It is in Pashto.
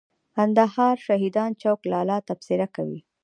د کندهار شهیدانو چوک لالا تبصره کوي.